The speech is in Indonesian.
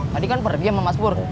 tadi kan berhenti sama mas pur